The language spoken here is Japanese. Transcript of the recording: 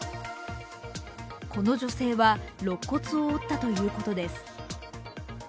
この女性はろっ骨を折ったということです。